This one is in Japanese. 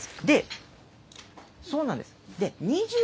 そうなんです。